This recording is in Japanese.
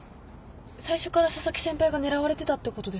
最初から紗崎先輩が狙われてたってことですか？